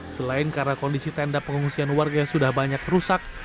selain karena kondisi tenda pengungsian warga sudah banyak rusak